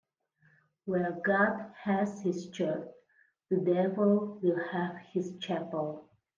Where God has his church, the devil will have his chapel.